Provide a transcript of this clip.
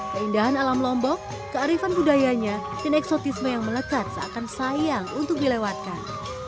keindahan alam lombok kearifan budayanya dan eksotisme yang melekat seakan sayang untuk dilewatkan